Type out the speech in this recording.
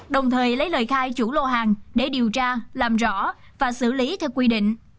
đồng thời lấy lời khai chủ lô hàng để điều tra làm rõ và xử lý theo quy định